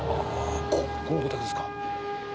このお宅ですか？